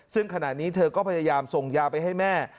ซึ่งขณะนี้เธอก็พยายามส่งยาไปให้แม่